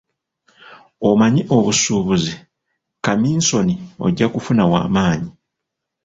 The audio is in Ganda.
Omanyi obusuubuzi; kaminsoni ojja kufuna wa maanyi.